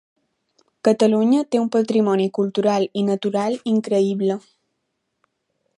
Catalunya té un patrimoni cultural i natural increïble.